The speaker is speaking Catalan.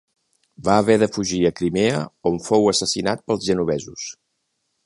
Va haver de fugir a Crimea on fou assassinat pels genovesos.